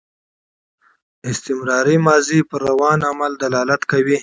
استمراري ماضي پر روان عمل دلالت کوي.